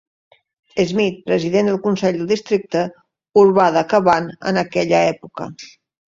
Smith, president del Consell del districte urbà de Cavan en aquella època.